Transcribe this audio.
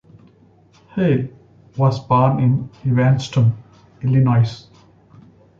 Hale was born in Evanston, Illinois.